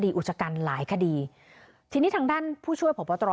อุจกรรมหลายคดีทีนี้ทางด้านผู้ช่วยผอบตร